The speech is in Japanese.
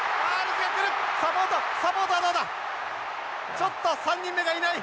ちょっと３人目がいない。